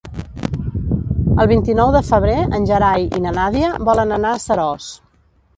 El vint-i-nou de febrer en Gerai i na Nàdia volen anar a Seròs.